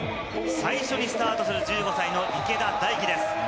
最初にスタートする１５歳の池田大暉です。